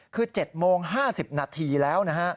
คือ๗โมง๕๐นาทีแล้วนะฮะ